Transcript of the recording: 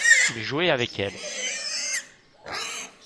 Il jouait avec elle.